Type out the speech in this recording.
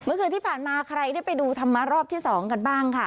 เมื่อคืนที่ผ่านมาใครได้ไปดูธรรมะรอบที่๒กันบ้างค่ะ